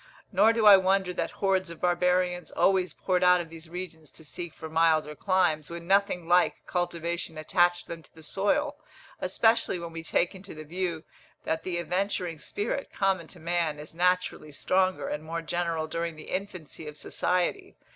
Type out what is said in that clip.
Nor do I wonder that hordes of barbarians always poured out of these regions to seek for milder climes, when nothing like cultivation attached them to the soil, especially when we take into the view that the adventuring spirit, common to man, is naturally stronger and more general during the infancy of society.